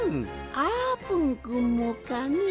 あーぷんくんもかね。